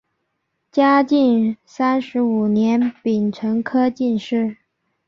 嘉靖三十五年丙辰科进士。